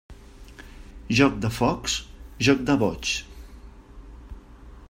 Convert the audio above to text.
Joc de focs, joc de boigs.